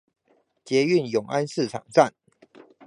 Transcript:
捷運永安市場站